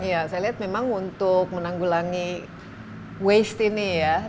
ya saya lihat memang untuk menanggulangi waste ini ya